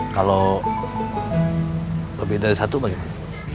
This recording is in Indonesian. kalau lebih dari satu bagaimana